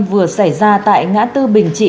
vừa xảy ra tại ngã tư bình trị